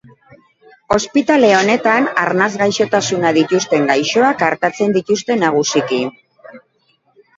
Ospitale honetan arnas gaixotasunak dituzten gaixoak artatzen dituzte nagusiki.